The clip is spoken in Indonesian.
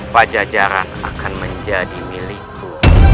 pajajaran akan menjadi milikku